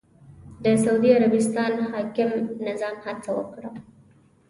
د سعودي عربستان حاکم نظام هڅه وکړه